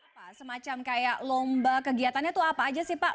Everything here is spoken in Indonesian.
apa semacam kayak lomba kegiatannya itu apa aja sih pak